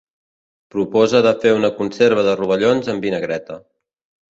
Proposa de fer una conserva de rovellons amb vinagreta.